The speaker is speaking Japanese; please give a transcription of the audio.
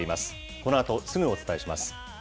このあとすぐお伝えします。